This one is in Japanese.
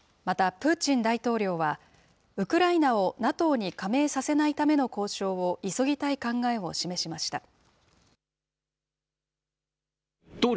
またプーチン大統領は、ウクライナをＮＡＴＯに加盟させないための交渉を急ぎたい考えを示しました。